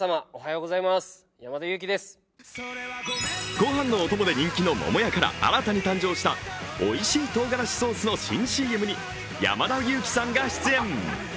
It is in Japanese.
ごはんのお供で人気の桃屋から新たに誕生したおいしい唐がらしソースの新ＣＭに山田裕貴さんが出演。